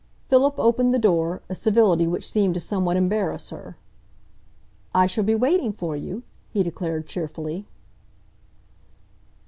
Philip opened the door, a civility which seemed to somewhat embarrass her. "I shall be waiting for you," he declared cheerfully.